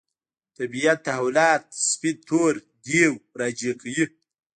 طبیعت تحولات سپین تور دېو راجع کوي.